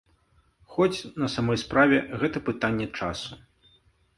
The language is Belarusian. Хоць, на самой справе, гэта пытанне часу.